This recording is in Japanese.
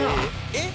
えっ？